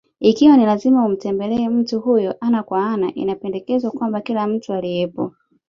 Ikiwa ni lazima umtembelee mtu huyo ana kwa ana, inapendekezwa kwamba kila mtu aliyepo: